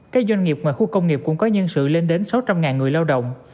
các doanh nghiệp ngoài khu công nghiệp cũng có nhân sự lên đến sáu trăm linh người lao động